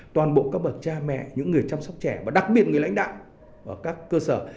toàn bộ các bậc cha mẹ những người chăm sóc trẻ và đặc biệt người lãnh đạo ở các cơ sở